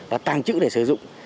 và tàng trữ để sử dụng